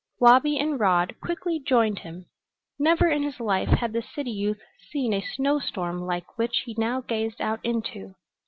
Wabi and Rod quickly joined him. Never in his life had the city youth seen a snow storm like that which he now gazed out into.